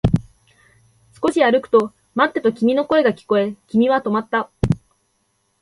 少し歩くと、待ってと君の声が聞こえ、君は止まった